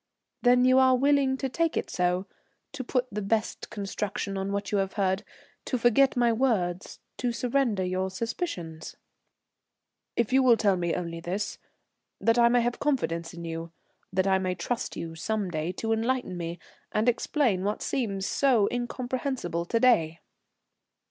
"Then you are willing to take it so, to put the best construction on what you have heard, to forget my words, to surrender your suspicions?" "If you will tell me only this: that I may have confidence in you, that I may trust you, some day, to enlighten me and explain what seems so incomprehensible to day."